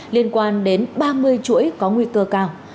liên quan đến ba mươi chuỗi có nguy cơ cao